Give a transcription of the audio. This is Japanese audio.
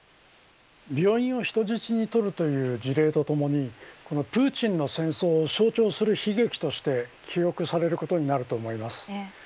病院を人質にとるという事例とともにプーチンの戦争を象徴する悲劇として記録されることになると思います。